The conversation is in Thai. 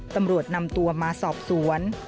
ตำรวจนำตัวมาสอบสวน